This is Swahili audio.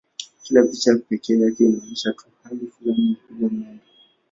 Kila picha pekee yake inaonyesha tu hali fulani bila mwendo.